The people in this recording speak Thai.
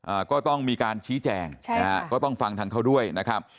อ่าก็ต้องมีการชี้แจงใช่นะฮะก็ต้องฟังทางเขาด้วยนะครับ